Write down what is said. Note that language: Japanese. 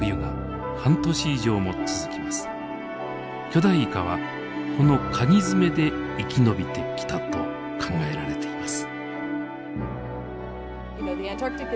巨大イカはこのかぎ爪で生き延びてきたと考えられています。